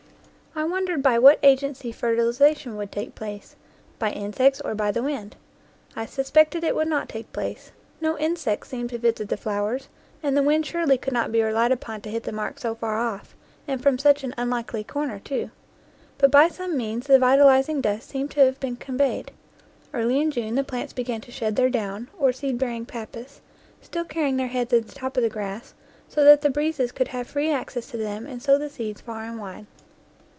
I wondered by what agency fertilization would take place, by insects or by the wind. I suspected it would not take place, no insects seemed to visit the flowers, and the wind surely could not be relied upon to hit the mark so far off, and from such an unlikely corner too. But by some means the vitalizing dust seemed to have been con veyed. Early in June the plants began to shed their down, or seed bearing pappus, still carrying their heads at the top of the grass, so that the breezes could have free access to them and sow the seeds far and wide.